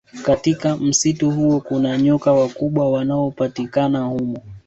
Katika msitu huo kuna nyoka wakubwa wanaopatikaba humo